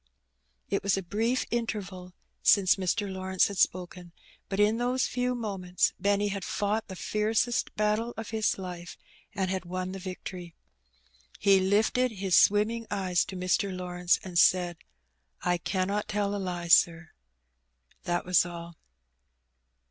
^^ It was a brief interval since Mr. Lawrence had spoken, but in those few moments Benny had fought the fiercest battle of his life, and had won the victory. He lifted his swimming eyes to Mr. Lawrence and said — "I cannot tell a lie, sir.^^ That was all.